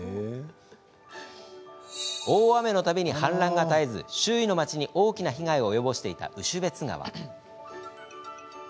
大雨のたびに氾濫が絶えず周囲の町に大きな被害を及ぼしていた牛朱別川。